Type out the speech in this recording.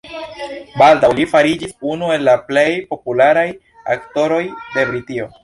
Baldaŭ li fariĝis unu el la plej popularaj aktoroj de Britio.